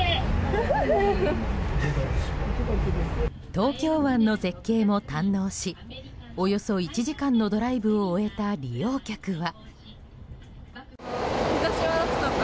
東京湾の絶景も堪能しおよそ１時間のドライブを終えた利用客は。